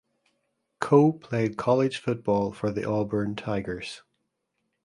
Coe played college football for the Auburn Tigers.